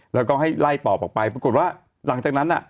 แล้วก็ให้ไล่ปอบออกไปปรากฏว่าหลังจากนั้นน่ะ